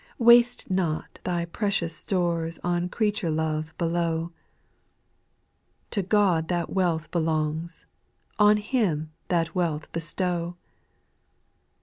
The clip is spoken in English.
4. Waste riot thy precious stores On creature love below ; To God that wealth belongs. On Him that wealth bestow.